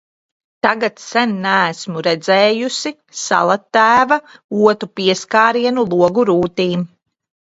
Tagad sen neesmu redzējusi Salatēva otu pieskārienu logu rūtīm.